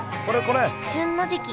旬の時期